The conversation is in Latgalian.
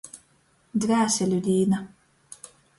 Dvieseļu dīna.